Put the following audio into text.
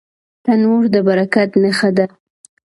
تنور د برکت نښه ده